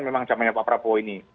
memang zamannya pak prabowo ini